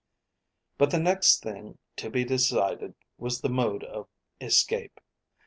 But the next thing to be decided was the mode of escape.